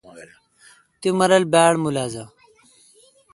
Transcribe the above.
تی مہ رل باڑ ملازہ۔